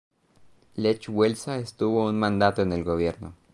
Lech Wałęsa estuvo un mandato en el gobierno.